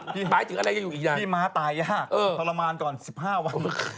เพราะฉะนั้นเราก็จะไปด้วยกันเนี่ยแหละ